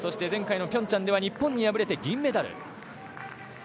前回のピョンチャンでは日本に敗れて銀メダル。